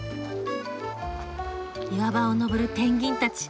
岩場を登るペンギンたち。